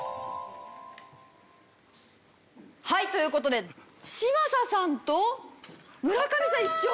はいという事で嶋佐さんと村上さん一緒！